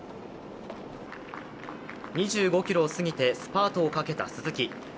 ２５ｋｍを過ぎてスパートをかけた鈴木。